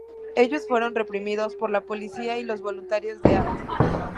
Ellos fueron reprimidos por la policía y los voluntarios de Ath.